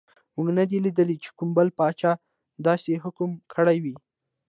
موږ نه دي لیدلي چې کوم بل پاچا داسې حکم کړی وي.